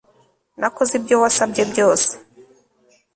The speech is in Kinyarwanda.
Nakoze ibyo wasabye byose